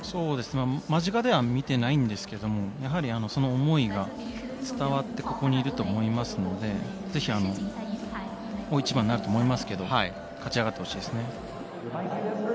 間近では見ていないんですがその思いが伝わってここにいると思いますのでぜひ大一番になると思いますが勝ち上がってほしいですね。